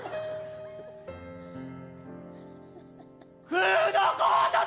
フードコートで！！